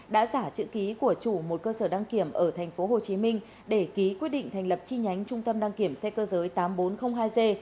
đã giả chữ ký của chủ một cơ sở đăng kiểm ở thành phố hồ chí minh để ký quyết định thành lập chi nhánh trung tâm đăng kiểm xe cơ giới tám nghìn bốn trăm linh hai g